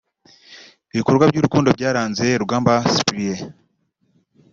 Ibikorwa by’urukundo byaranze Rugamba Cyprien